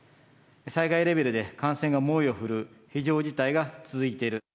災害レベルで感染が猛威を振るう非常事態が続いている。